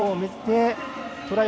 トライ。